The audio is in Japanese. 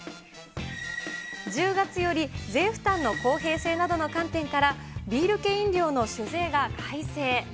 １０月より税負担の公平性などの観点から、ビール系飲料の酒税が改正。